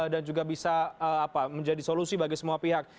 dan juga bisa menjadi solusi bagi semua pihak